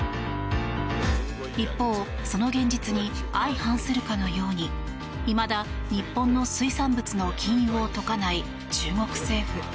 一方、その現実に相反するかのようにいまだ日本の水産物の禁輸を解かない中国政府。